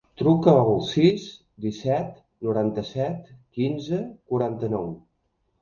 Truca al sis, disset, noranta-set, quinze, quaranta-nou.